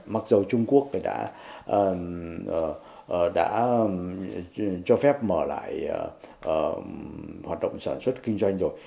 mặc dù trung quốc đã cho phép mở lại hoạt động sản xuất kinh doanh rồi